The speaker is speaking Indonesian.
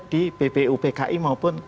di bbu pki maupun